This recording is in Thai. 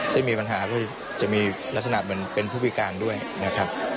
จะมีปัญหาการรักษนาปเป็นผู้พี่การด้วยนะครับ